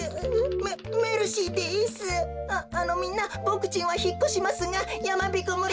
ああのみんなボクちんはひっこしますがやまびこ村。